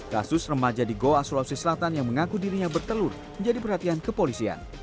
kasus remaja di goa sulawesi selatan yang mengaku dirinya bertelur menjadi perhatian kepolisian